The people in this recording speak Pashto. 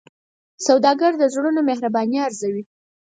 سوالګر د زړونو مهرباني ارزوي